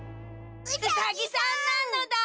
うさぎさんなのだ！